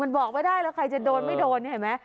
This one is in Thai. มันบอกไม่ได้แล้วใครจะโดนไม่โดนนี่เห็นไหม